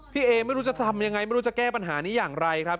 เอไม่รู้จะทำยังไงไม่รู้จะแก้ปัญหานี้อย่างไรครับ